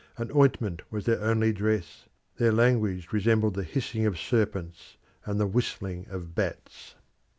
An ointment was their only dress; their language resembled the hissing of serpents and the whistling of bats.